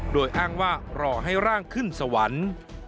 โดยอ้างว่ารอให้ร่างขึ้นสวรรค์